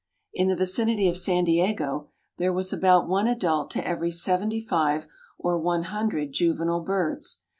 In the vicinity of San Diego there was about one adult to every seventy five or one hundred juvenile birds.